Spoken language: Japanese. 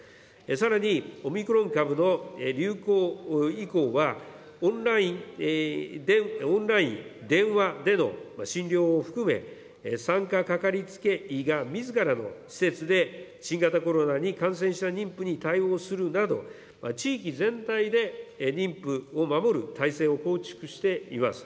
さらに、オミクロン株の流行以降は、オンライン、電話での診療を含め、産科かかりつけ医が、みずからの施設で新型コロナに感染した妊婦に対応するなど、地域全体で妊婦を守る体制を構築しています。